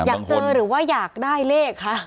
อยากเจอหรือว่าอยากได้เลขคะ